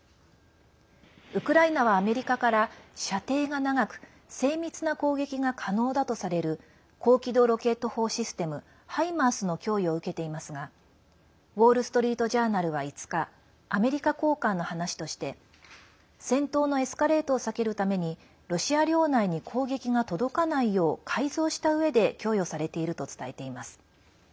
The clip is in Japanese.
ウクライナはアメリカから射程が長く精密な攻撃が可能だとされる高機動ロケット砲システム「ハイマース」の供与を受けていますがウォール・ストリート・ジャーナルは５日アメリカ高官の話として戦闘のエスカレートを避けるためにロシア領内に攻撃が届かないよう改造したうえで供与されていると伝えています。